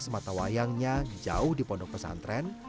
sematawayangnya jauh di pondok pesantren